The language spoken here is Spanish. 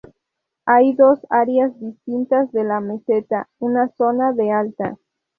Hay dos áreas distintas de la meseta: una zona de alta.